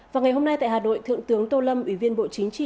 vào ngày hôm nay tại hà nội thượng tướng tô lâm ủy viên bộ chính trị